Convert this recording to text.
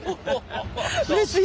うれしい。